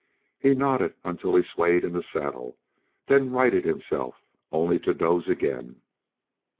He nodded until he swayed in the saddle; then righted himself, only to doze again.